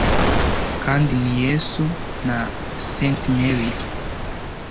kandi ni yesu na saintmaries